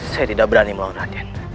saya tidak berani melawan rakyat